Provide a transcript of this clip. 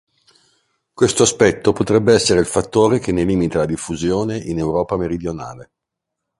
Questo aspetto potrebbe essere il fattore che ne limita la diffusione in Europa meridionale.